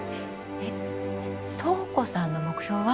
えっ瞳子さんの目標は？